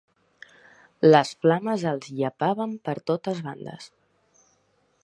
Les flames els llepaven per totes les bandes.